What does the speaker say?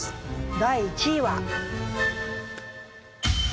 第１位は。